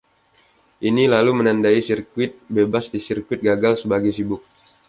Ini lalu menandai sirkuit bebas di sirkuit gagal sebagai sibuk.